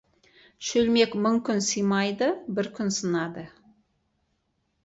Шөлмек мың күн сыймайды, бір күн сынады.